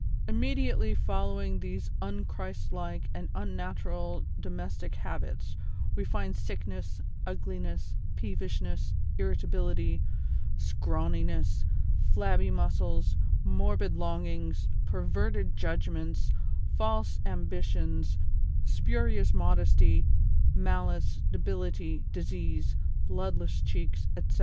Immediately following these un Christ like and unnatu ral domestic habits, we find sickness, ugliness, peevishness, irritability, scrawniness, flabby muscles, morbid longings, perverted judgments, false ambitions, spurious modesty, riot, gluttony, drunkenness, sensuality, envy, avarice, malice, debility, disease, bloodless cheeks, etc.